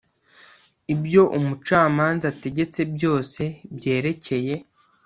Ibyo umucamanza ategetse byose byerekeye